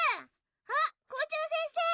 あっ校長先生。